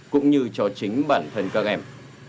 cũng như cho chính bản thân các em